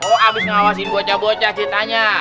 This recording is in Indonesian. oh abis ngawasin bocah bocah ceritanya